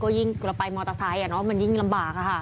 เราต้องระมัดระวังอะไรเป็นพิเศษครับ